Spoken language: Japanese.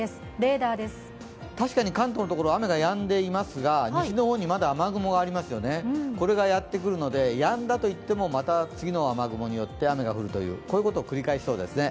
確かに関東の方、雨がやんできますが、西の方にまだ雨雲がありますよね、これがありますので、また次の雨雲によって雨が降るという、こういうことを繰り返しそうですね。